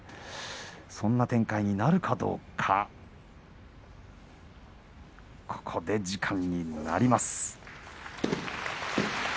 そんな展開になるかどうかここで時間になります。